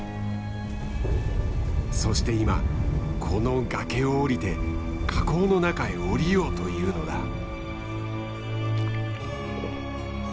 そして今この崖を下りて火口の中へ下りようというのだ。